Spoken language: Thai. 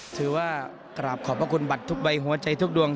ถือว่ากราบขอบพระคุณบัตรทุกใบหัวใจทุกดวง